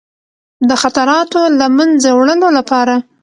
د خطراتو له منځه وړلو لپاره.